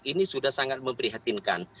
ini sudah sangat memperhatinkan